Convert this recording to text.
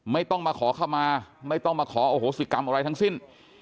ไม่ต้องมาขอเข้ามาไม่ต้องมาขอโอโหสิกรรมอะไรทั้งสิ้น